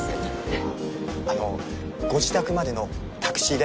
あっあのご自宅までのタクシー代